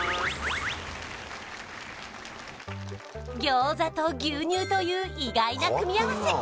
餃子と牛乳という意外な組み合わせ